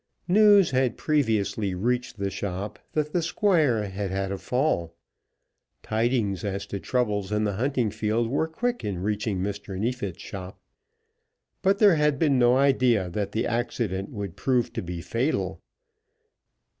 News had previously reached the shop that the Squire had had a fall. Tidings as to troubles in the hunting field were quick in reaching Mr. Neefit's shop; but there had been no idea that the accident would prove to be fatal.